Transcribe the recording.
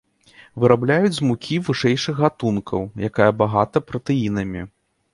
Вырабляюць з мукі вышэйшых гатункаў, якая багата пратэінамі.